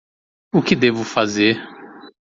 O que devo fazer?